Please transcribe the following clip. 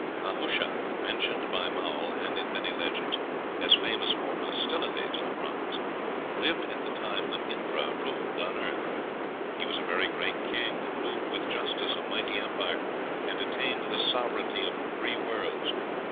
Nahusha, mentioned by Maull, and in many legends, as famous for hostility to the Brahmans, lived at the time when Indra ruled on earth. He was a very great king, who ruled with justice a mighty empire, and attained the sovereignty of three worlds."